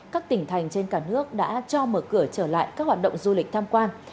các tỉnh thành trên cả nước đã cho mở cửa trở lại các hoạt động du lịch tham quan